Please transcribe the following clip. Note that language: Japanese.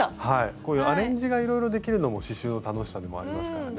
こういうアレンジがいろいろできるのも刺しゅうの楽しさでもありますからね。